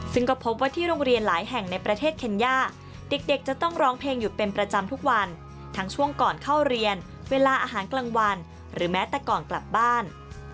ซึ่งก็พบว่าที่โรงเรียนหลายแห่งในประเทศเคนย่าเด็กจะต้องร้องเพลงอยู่เป็นประจำทุกวันทั้งช่วงก่อนเข้าเรียนเวลาอาหารกลางวันหรือแม้แต่ก่อนกลับบ้าน